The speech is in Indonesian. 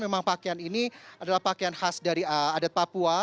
memang pakaian ini adalah pakaian khas dari adat papua